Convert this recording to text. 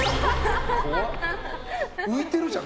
浮いてるじゃん。